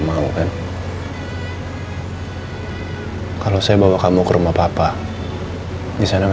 yang ngebuat aku terpenjara